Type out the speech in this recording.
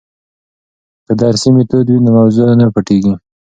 که درسي میتود وي نو موضوع نه پټیږي.